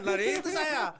nah itu saya